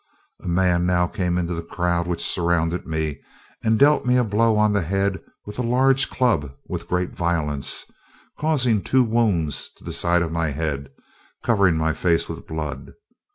A man now came into the crowd which surrounded me, and dealt me a blow on the head with a large club with great violence, causing two wounds on the side of my head, covering my face with blood.